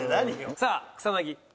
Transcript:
さあ草薙。